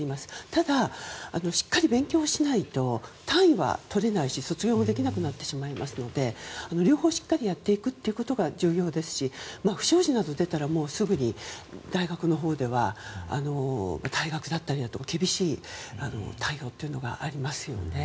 ただ、しっかり勉強しないと単位は取れないし卒業もできなくなってしまいますので両方しっかりやっていくことが重要ですし不祥事などが出たらすぐに大学のほうでは退学だったり厳しい対応がありますよね。